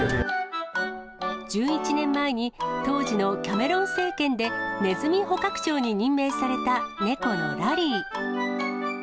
１１年前に当時のキャメロン政権でネズミ捕獲長に任命された猫のラリー。